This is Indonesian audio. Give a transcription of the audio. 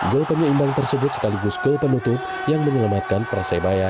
gol penyeimbang tersebut sekaligus gol penutup yang menyelamatkan persebaya